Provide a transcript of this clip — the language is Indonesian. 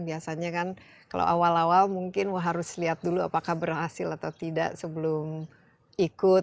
biasanya kan kalau awal awal mungkin harus lihat dulu apakah berhasil atau tidak sebelum ikut